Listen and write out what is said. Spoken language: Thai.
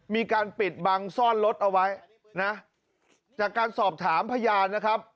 มีการปิดบังซ่อนรถเอาไว้นะจากการสอบถามพยานนะครับ